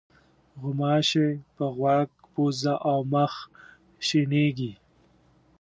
غوماشې په غوږ، پوزه او مخ شېنېږي.